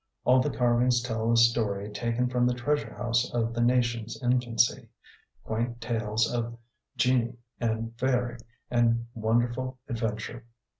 All the carvings tell a story taken from the treasure house of the nation's infancy, quaint tales of genii and fairy and wonderful adventure.